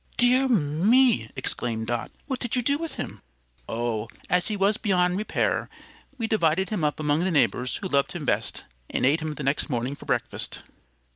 "Dear me!" exclaimed Dot. "What did you do with him?" "Oh, as he was ruined beyond repair, we divided him up among the neighbors who loved him best, and ate him the next morning for breakfast."